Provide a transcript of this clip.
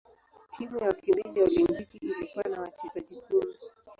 Timu ya wakimbizi ya Olimpiki ilikuwa na wachezaji kumi.